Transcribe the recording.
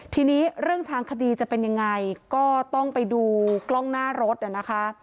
ทีนี้เรื่องทางคดีจะเป็นยังไงก็ต้องไปดูกล้องหน้ารถนะคะ